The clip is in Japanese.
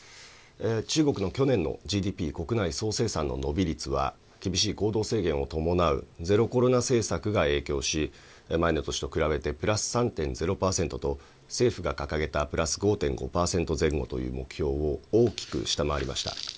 中国の去年のＧＤＰ・国内総生産の伸び率は、厳しい行動制限を伴うゼロコロナ政策が影響し、前の年と比べてプラス３．０％と、政府が掲げたプラス５．５％前後という目標を大きく下回りました。